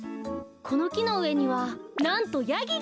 このきのうえにはなんとヤギが！